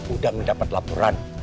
udah mendapat laporan